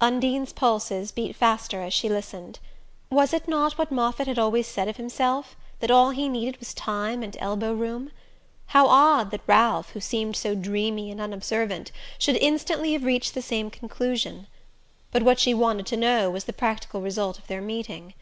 Undine's pulses beat faster as she listened. Was it not what Moffatt had always said of himself that all he needed was time and elbow room? How odd that Ralph, who seemed so dreamy and unobservant, should instantly have reached the same conclusion! But what she wanted to know was the practical result of their meeting.